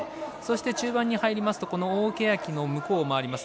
中盤に入りますと大けやきの向こうを回ります。